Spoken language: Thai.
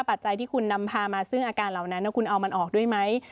ปัจจัยที่คุณนำพามาซึ่งอาการเหล่านั้นคุณเอามันออกด้วยไหม